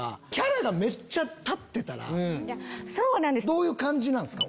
どういう感じなんすか？